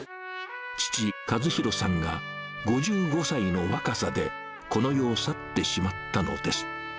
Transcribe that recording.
父、和弘さんが、５５歳の若さで、この世を去ってしまったのです。